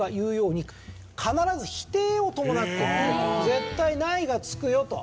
絶対「ない」がつくよと。